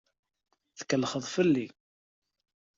Tkellxeḍ fell-i.